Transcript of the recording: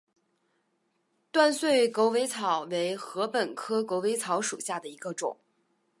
断穗狗尾草为禾本科狗尾草属下的一个种。